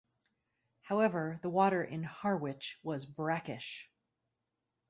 However the water in Harwich was brackish.